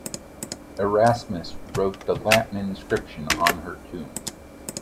Erasmus wrote the Latin inscription on her tomb.